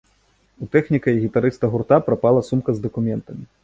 У тэхніка і гітарыста гурта прапала сумка з дакументамі.